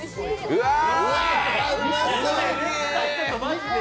うわー。